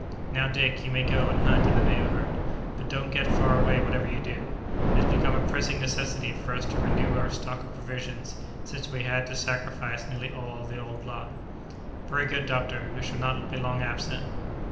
Now, Dick, you may go and hunt in the neighborhood, but don't get far away whatever you do. It has become a pressing necessity for us to renew our stock of provisions, since we had to sacrifice nearly all the old lot." "Very good, doctor, I shall not be long absent."